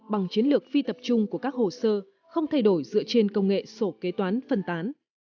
bằng chiến lược phi tập trung của các hồ sơ không thay đổi dựa trên công nghệ sổ kế toán phân tán